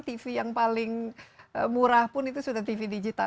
tv yang paling murah pun itu sudah tv digital